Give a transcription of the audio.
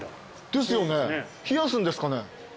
ですよね冷やすんですかね。